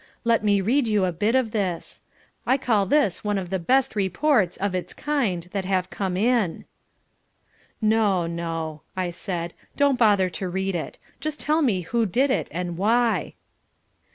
Let me read you a bit of this: I call this one of the best reports, of its kind, that have come in." "No, no," I said, "don't bother to read it. Just tell me who did it and why."